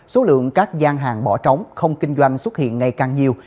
số lượng các gian hàng bỏ trống không kinh doanh xuất hiện ngày càng nhiều